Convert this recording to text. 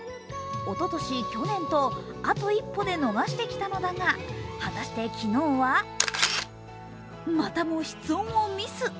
おととし、去年とあと一歩で逃してきたのだが、果たして昨日はまたも室温をミス。